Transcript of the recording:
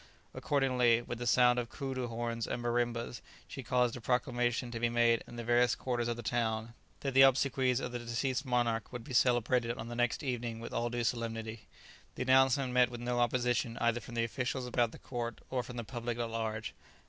Accordingly, with the sound of coodoo horns and marimbas, she caused a proclamation to be made in the various quarters of the town, that the obsequies of the deceased monarch would be celebrated on the next evening with all due solemnity. The announcement met with no opposition either from the officials about the court or from the public at large.